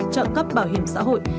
trợ cấp bảo hiểm xã hội